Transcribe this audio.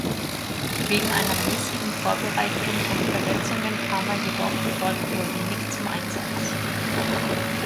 Wegen einer mäßigen Vorbereitung und Verletzungen kam er jedoch dort nur wenig zum Einsatz.